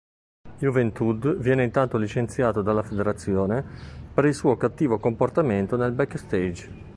Juventud viene intanto licenziato dalla federazione per il suo cattivo comportamento nel backstage.